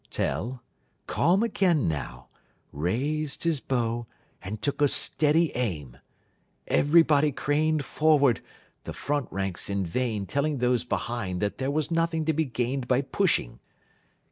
Tell, calm again now, raised his bow and took a steady aim. Everybody craned forward, the front ranks in vain telling those behind that there was nothing to be gained by pushing.